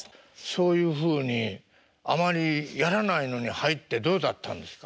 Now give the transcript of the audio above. そういうふうにあまりやらないのに入ってどうだったんですか？